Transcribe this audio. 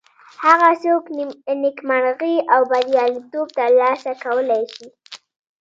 هغه څوک نیکمرغي او بریالیتوب تر لاسه کولی شي.